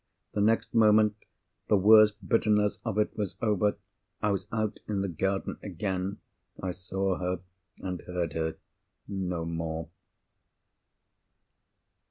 The next moment, the worst bitterness of it was over. I was out in the garden again. I saw her, and heard her, no more.